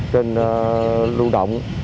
trên lưu động